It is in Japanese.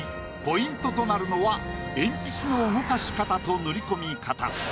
ポイントとなるのは鉛筆の動かし方と塗り込み方。